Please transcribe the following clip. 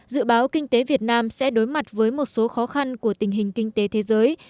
dự báo kinh tế việt nam sẽ đối mặt với một số khó khăn của tình hình kinh tế thế giới